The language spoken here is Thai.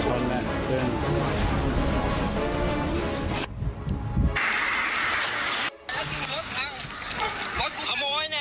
โจรแน่มึงโจรแน่แจ้งความแน่